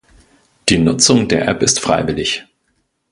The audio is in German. Die Nutzung der App ist freiwillig.